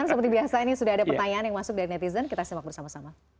seperti biasa ini sudah ada pertanyaan yang masuk dari netizen kita simak bersama sama